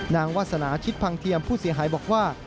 วาสนาชิดพังเทียมผู้เสียหายบอกว่า